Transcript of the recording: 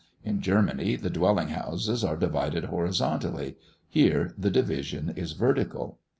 In Germany, the dwelling houses are divided horizontally here the division is vertical.